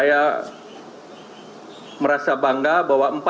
kami berharap snajka